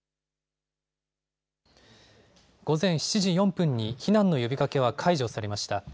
午前７時４分に避難の呼びかけは解除されました。